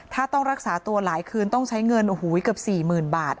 ถ้าต้องรักษาตัวหลายคืนต้องใช้เงินโอ้โหเกือบ๔๐๐๐บาท